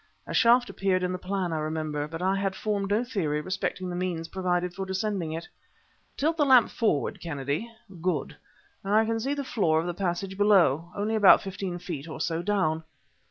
A shaft appeared in the plan, I remember, but I had formed no theory respecting the means provided for descending it. Tilt the lamp forward, Kennedy. Good! I can see the floor of the passage below; only about fifteen feet or so down."